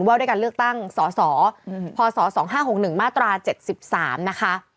ว่าด้วยการเลือกตั้งสสพศ๒๕๖๑มาตรา๗๓นะคะ